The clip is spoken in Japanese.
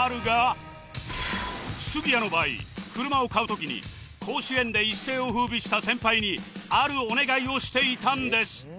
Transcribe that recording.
杉谷の場合車を買う時に甲子園で一世を風靡した先輩にあるお願いをしていたんです